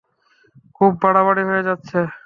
খুব বাড়াবাড়ি হয়ে যাচ্ছে।